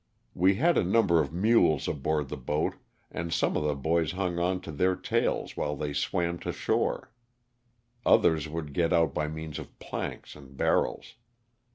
We had a number of mules aboard the boat and some of the boys hung on to their tails while they swam to shore. Others would get out by means of planks and barrels.